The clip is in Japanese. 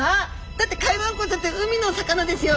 だってカエルアンコウちゃんって海のお魚ですよ！」